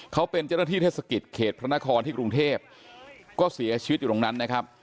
เขาเป็นเจ้าหน้าที่เทศกิจเขตพระนครที่กรุงเทพก็เสียชีวิตอยู่ตรงนั้นนะครับ